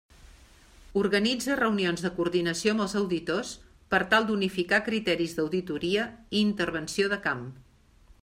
Organitza reunions de coordinació amb els auditors per tal d'unificar criteris d'auditoria i intervenció de camp.